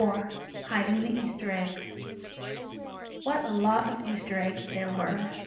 XXIV HIDING THE EASTER EGGS What a lot of Easter eggs there were!